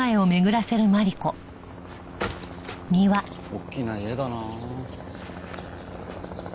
おっきな家だなあ。